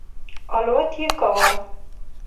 الوت یې کاوه.